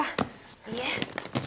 いえ。